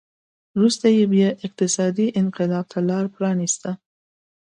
وروسته یې بیا اقتصادي انقلاب ته لار پرانېسته